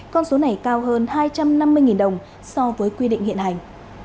con số này cao hơn hai trăm năm mươi đồng so với quy định hiện hành